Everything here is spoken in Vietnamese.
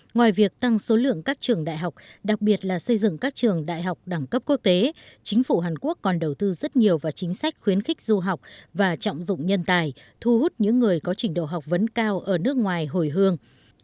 ngoài việc tăng số lượng các trường đại học đặc biệt là xây dựng các trường đại học đẳng cấp quốc tế chính phủ hàn quốc còn đầu tư rất nhiều vào chính sách khuyến khích du học và trọng dụng nhân tài thu hút những người có trình độ học vấn cao ở nước ngoài hồi hương